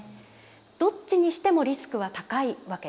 どっちにしてもリスクは高いわけです。